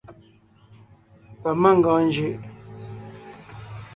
Pamangɔɔn njʉʼ.